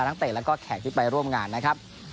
แล้วก็แขกที่ไปร่วมงานนะครับ